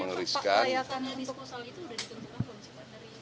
pak sebenarnya pak kelayakannya disposal itu sudah ditentukan prinsipnya dari